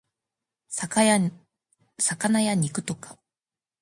魚や肉とか